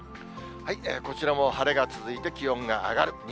こちらも晴れが続いて、気温が上がる。